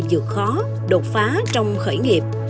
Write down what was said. vượt khó đột phá trong khởi nghiệp